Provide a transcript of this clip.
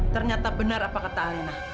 ternyata benar apa kata alina